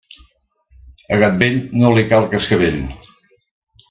A gat vell, no li cal cascavell.